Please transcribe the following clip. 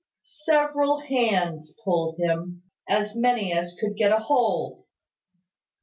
Several hands pulled him, as many as could get a hold.